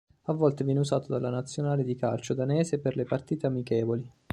A volte viene usato dalla nazionale di calcio danese per le partite amichevoli.